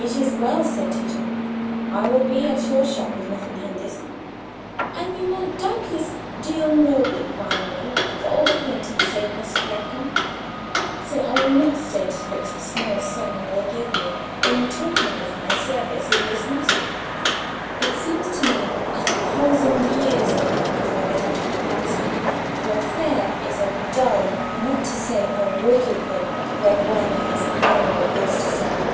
"It is well," said Tito. "I will be at your shop, if nothing hinders." "And you will doubtless deal nobly by me for old acquaintance' sake, Messer Greco, so I will not stay to fix the small sum you will give me in token of my service in the matter. It seems to me a thousand years now till I get out of the piazza, for a fair is a dull, not to say a wicked thing, when one has no more goods to sell."